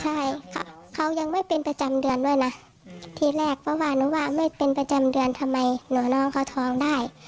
ใช่ค่ะเขายังไม่เป็นประจำเดือนด้วยนะทีแรกเพราะว่าหนูว่าไม่เป็นประจำเดือนทำไมหนูน้องเขาท้องได้